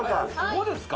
ここですか？